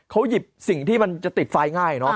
เขาหยิบสิ่งที่มันจะติดไฟง่ายเนอะ